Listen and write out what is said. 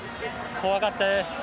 怖かったです。